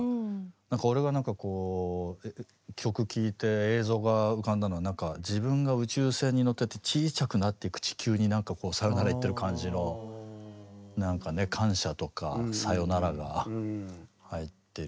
俺がなんかこう曲聴いて映像が浮かんだのはなんか自分が宇宙船に乗っててちいちゃくなっていく地球になんかこうさよなら言ってる感じのなんかね感謝とかさよならが入っている。